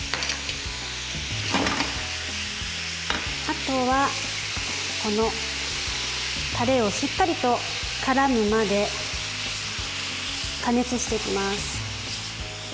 あとはタレをしっかりとからむまで加熱していきます。